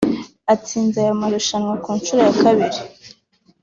atsinze aya marushanwa ku nshuro ya kabiri